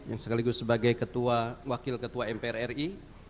yang sekaligus sebagai wakil ketua mpr ri